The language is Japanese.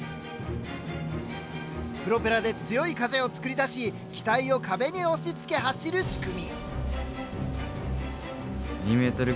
プロペラで強い風を作り出し機体を壁に押しつけ走る仕組み。